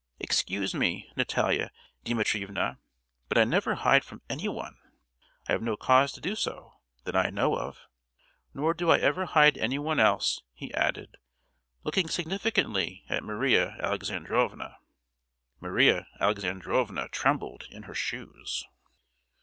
Excuse me, Natalia Dimitrievna, but I never hide from anyone; I have no cause to do so, that I know of! Nor do I ever hide anyone else!" he added, looking significantly at Maria Alexandrovna. Maria Alexandrovna trembled in her shoes.